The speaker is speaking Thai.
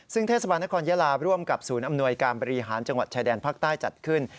ซึ่งเทศบาลนครยาลาร่วมกับศูนย์อำนวยการบริหารจังหวัดชายแดนภาคใต้จัดขึ้น